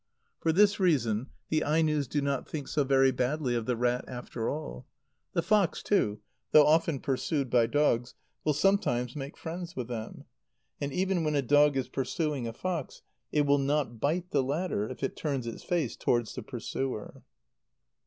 For this reason the Ainos do not think so very badly of the rat after all. The fox, too, though often pursued by dogs, will sometimes make friends with them; and even when a dog is pursuing a fox, it will not bite the latter if it turns its face towards the pursuer.